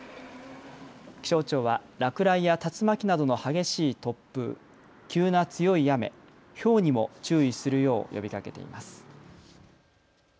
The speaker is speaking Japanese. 気象庁は落雷や竜巻などの激しい突風、急な強い雨、ひょうにも注意するよう呼びかけています。